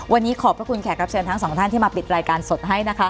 วันนี้ขอบพระคุณแขกรับเชิญทั้งสองท่านที่มาปิดรายการสดให้นะคะ